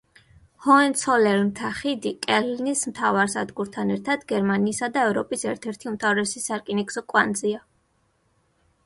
ჰოენცოლერნთა ხიდი კელნის მთავარ სადგურთან ერთად გერმანიისა და ევროპის ერთ-ერთი უმთავრესი სარკინიგზო კვანძია.